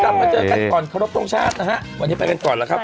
กลับมาเจอกันก่อนครบทรงชาตินะฮะวันนี้ไปกันก่อนแล้วครับ